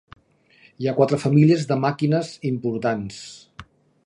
Hi ha quatre famílies de màquines importants.